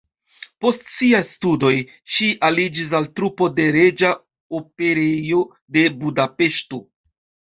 Post siaj studoj ŝi aliĝis al trupo de Reĝa Operejo de Budapeŝto.